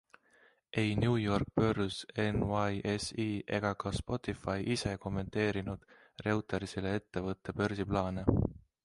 Ei New Yorgi börs NYSE ega ka Spotify ise kommenteerinud Reutersile ettevõtte börsiplaane.